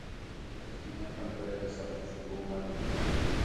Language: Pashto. رښتینی ملګری د سختو شېبو مل وي.